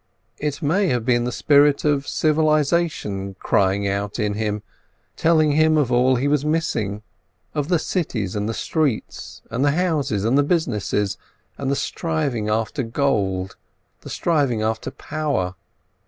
It may have been the spirit of civilisation crying out in him, telling him of all he was missing. Of the cities, and the streets, and the houses, and the businesses, and the striving after gold, the striving after power.